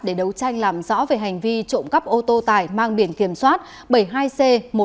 để đấu tranh làm rõ về hành vi trộm cắp ô tô tải mang biển kiểm soát bảy mươi hai c một mươi bốn nghìn một trăm bảy mươi năm